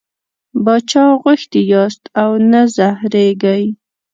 باچا غوښتي یاست او نه زهرېږئ.